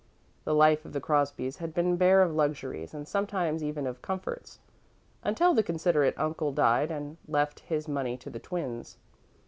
The life of the Crosbys had been bare of luxuries and sometimes even of comforts, until the considerate uncle died and left his money to the twins.